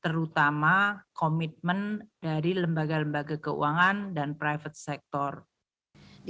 terutama komitmen dari lembaga lembaga keuangan dan sektor pribadi